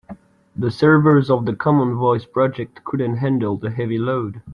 The servers of the common voice project couldn't handle the heavy load.